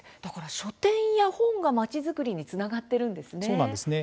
書店や本が、まちづくりにつながっているんですね。